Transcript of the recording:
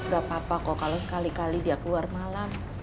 gapapa kok kalo sekali kali dia keluar malam